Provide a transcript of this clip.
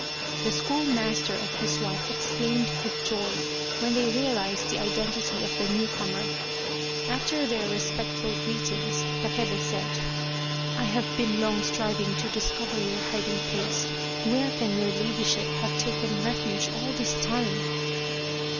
The schoolmaster and his wife exclaimed with joy when they realized the identity of the new comer. After their respectful greetings, Takebe said :" I have been long striving to discover your hiding place. Where can your ladyship have taken refuge all this time